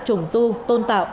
trùng tu tôn tạo